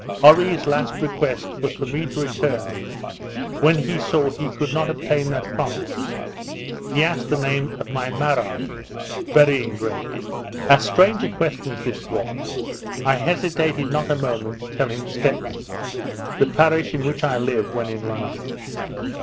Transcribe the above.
Oree's last request was for me to return; when he saw he could not obtain that promise, he asked the name of my Marai (burying place). As strange a question as this was, I hesitated not a moment to tell him Stepney; the parish in which I live when in London.